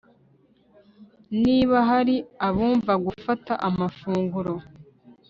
Niba hari abumva gufata amafunguro